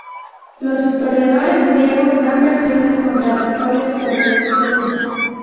Los historiadores griegos dan versiones contradictorias sobre el suceso.